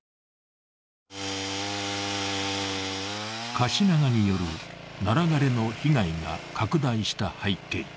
カシナガによるナラ枯れの被害が拡大した背景。